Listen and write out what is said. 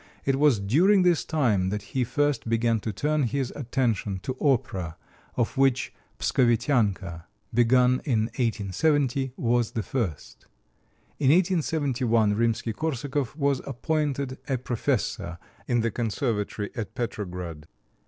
It was during this time that he first began to turn his attention to opera, of which "Pskovitianka," begun in 1870, was the first. In 1871 Rimsky Korsakov was appointed a professor in the Conservatory at Petrograd.